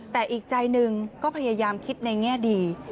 แต่อีกใจหนึ่งก็พยายามคิดในแง่ดี